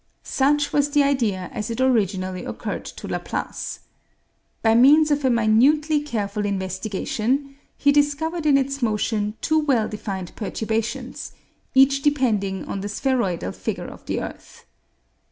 Such was the idea as it originally occurred to Laplace. By means of a minutely careful investigation, he discovered in its motion two well defined perturbations, each depending on the spheroidal figure of the earth.